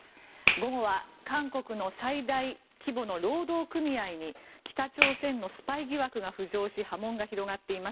午後は韓国の最大規模の労働組合に北朝鮮のスパイ疑惑が浮上し波紋が広がっています。